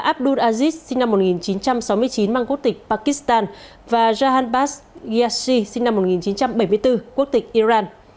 abdul aziz sinh năm một nghìn chín trăm sáu mươi chín mang quốc tịch pakistan và jahanbass gyashi sinh năm một nghìn chín trăm bảy mươi bốn quốc tịch iran